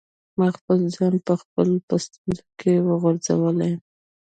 ما خپل ځان په خپله په ستونزو کي غورځولی.